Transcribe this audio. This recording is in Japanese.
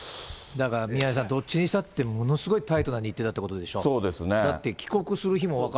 だから宮根さん、どっちにしたってものすごいタイトな日程だってことでしょ。